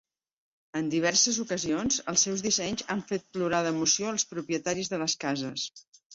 En diverses ocasions, els seus dissenys han fet plorar d'emoció el propietaris de les cases.